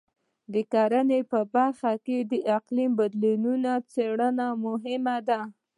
د کرنې په برخه کې د اقلیم بدلونونو څارنه مهمه ده.